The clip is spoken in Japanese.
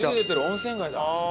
温泉街だ。